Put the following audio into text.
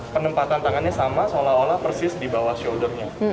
penempatan tangannya sama seolah olah persis di bawah shouldernya